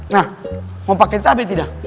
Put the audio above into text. nah mau pakai cabai tidak